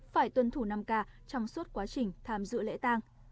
phải tuân thủ năm k trong suốt quá trình tham dự lễ tang